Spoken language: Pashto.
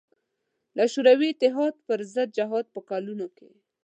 له شوروي اتحاد پر ضد جهاد په کلونو کې.